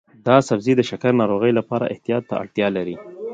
دا سبزی د شکرې ناروغانو لپاره احتیاط ته اړتیا لري.